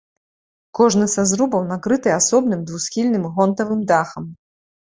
Кожны са зрубаў накрыты асобным двухсхільным гонтавым дахам.